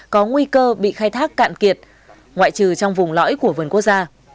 có nguy cơ bị khai thác cạn kiệt ngoại trừ trong vùng lõi của vườn quốc gia